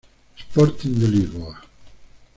Sporting de Lisboa